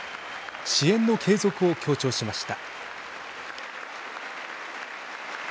支援の継続を強調しました。